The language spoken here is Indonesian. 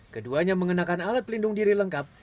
keduanya mengenakan alat pelindung diri lengkap